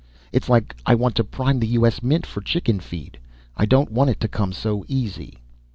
It's like I want to prime the U.S. Mint for chickenfeed, I don't want it to come so easy.